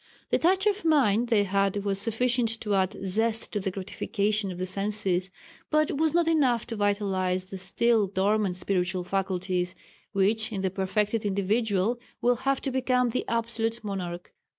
The touch of mind they had was sufficient to add zest to the gratification of the senses, but was not enough to vitalize the still dormant spiritual faculties, which in the perfected individual will have to become the absolute monarch.